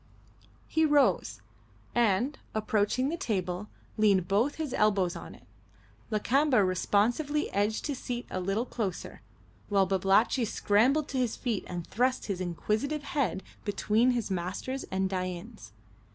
He rose, and, approaching the table, leaned both his elbows on it; Lakamba responsively edged his seat a little closer, while Babalatchi scrambled to his feet and thrust his inquisitive head between his master's and Dain's.